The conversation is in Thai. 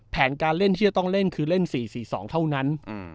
แผนการเล่นที่จะต้องเล่นคือเล่น๔๔๒เท่านั้น